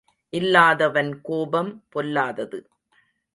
இல்லாதவன் கோபம் பொல்லாதது.